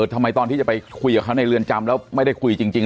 ตอนที่จะไปคุยกับเขาในเรือนจำแล้วไม่ได้คุยจริง